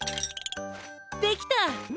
できた！